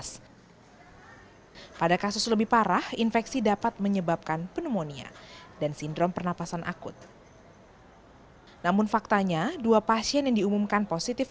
lantas apakah pengecekan suhu ini cukup efektif